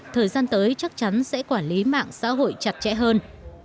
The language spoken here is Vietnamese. thời gian tới chắc chắn sẽ quản lý mạng xã hội chặt chẽ hơn